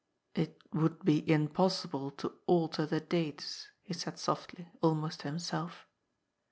'^ It would be impossible to alter the dates," he said softly, almost to himself.